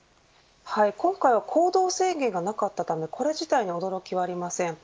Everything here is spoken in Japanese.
今回は行動制限がなかったためこれ自体に驚きはありません。